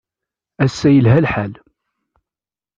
Ass-a yelha lḥal.